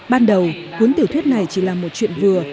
ban đầu cuốn tiểu thuyết này chỉ là một chuyện vừa